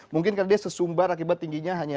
mungkin karena dia sesumbar akibat tingginya hanya